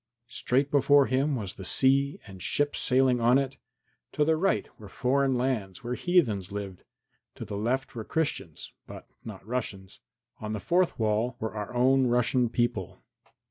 Straight before him was the sea and ships sailing on it. To the right were foreign lands, where heathens lived. To the left were Christians, but not Russians. On the fourth side were our own Russian people.